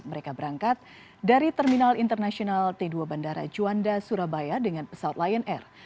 mereka berangkat dari terminal internasional t dua bandara juanda surabaya dengan pesawat lion air